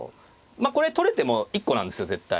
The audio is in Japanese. まあこれ取れても１個なんですよ絶対。